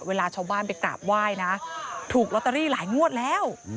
เวลาชาวบ้านไปกราบไหว้นะถูกลอตเตอรี่หลายงวดแล้ว